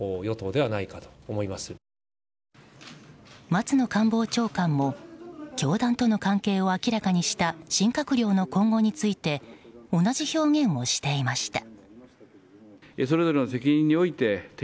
松野官房長官も教団との関係を明らかにした新閣僚の今後について同じ表現をしていました。